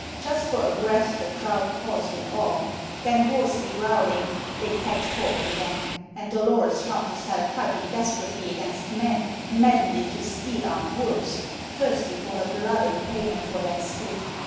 Just for a breath the crowd paused in awe; then hoarsely growling they packed forward again, and Dolores found herself fighting desperately against men maddened into steel armed wolves, thirsty for her blood in payment for that split.